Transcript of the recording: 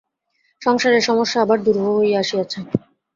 সংসারের সমস্যা আবার দুরূহ হইয়া আসিয়াছে।